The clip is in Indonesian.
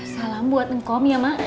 salam buat mengkom ya mak